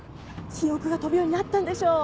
記憶が飛ぶようになったんでしょ